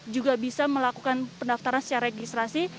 juga bisa melakukan pendaftaran secara registrasi